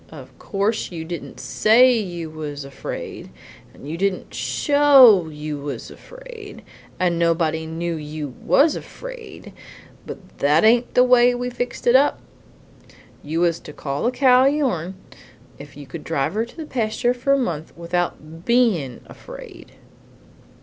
Of course you didn't SAY you was afraid, and didn't SHOW you was afraid, and nobody knew you WAS afraid, but that ain't the way we fixed it up. You was to call the cow your'n if you could drive her to the pasture for a month without BEIN' afraid.